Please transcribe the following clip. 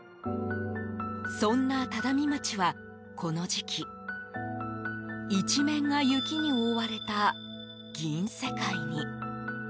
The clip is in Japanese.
そんな只見町は、この時期一面が雪に覆われた銀世界に。